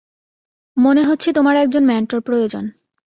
মনে হচ্ছে তোমার একজন মেন্টর প্রয়োজন।